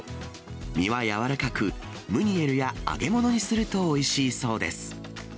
身は柔らかく、ムニエルや揚げ物にするとおいしいそうです。